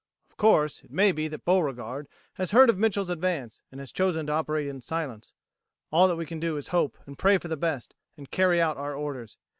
Of course it may be that Beauregard has heard of Mitchel's advance and has chosen to operate in silence. All that we can do is hope and pray for the best, and carry out our orders.